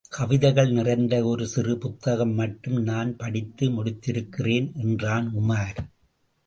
கவிதைகள் நிறைந்த ஒரு சிறு புத்தகம் மட்டும் நான் படித்து முடித்திருக்கிறேன் என்றான் உமார்.